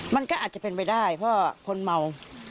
มันก็อาจจะเป็นไปได้เพราะคนเมา